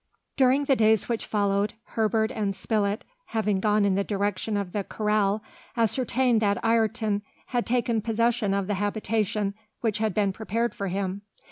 During the days which followed, Herbert and Spilett having gone in the direction of the corral, ascertained that Ayrton had taken possession of the habitation which had been prepared for him.